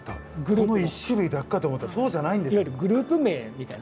この１種類だけかと思ったらそうじゃないんですね。